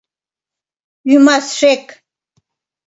Ӱмасшек...